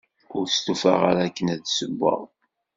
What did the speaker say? Ur stufaɣ ara akken ad ssewweɣ.